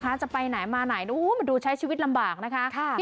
ถ้าจะไปไหนมาไหนมันดูใช้ชีวิตลำบากนะคะ